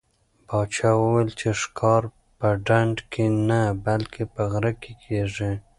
پاچا وویل چې ښکار په ډنډ کې نه بلکې په غره کې کېږي.